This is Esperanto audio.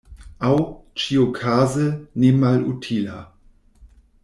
Aŭ, ĉiuokaze, nemalutila.